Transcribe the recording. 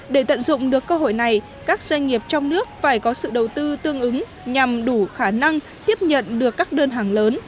để tận dụng được cơ hội này các doanh nghiệp trong nước phải có sự đầu tư tương ứng nhằm đủ khả năng tiếp nhận được các đơn hàng lớn